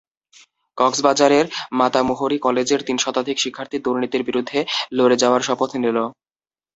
কক্সবাজারের মাতামুহুরী কলেজের তিন শতাধিক শিক্ষার্থী দুর্নীতির বিরুদ্ধে লড়ে যাওয়ার শপথ নিল।